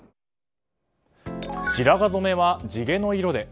白髪染めは地毛の色で。